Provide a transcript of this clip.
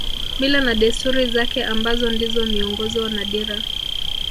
Mila na desturi zake ambazo ndizo miongozo na dira